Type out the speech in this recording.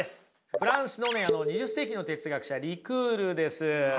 フランスの２０世紀の哲学者リクールです。